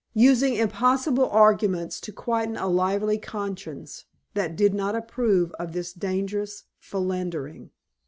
using impossible arguments to quieten a lively conscience that did not approve of this dangerous philandering.